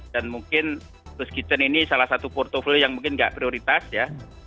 dan mungkin ghost kitchen ini salah satu portfolio yang mungkin nggak prioritas ya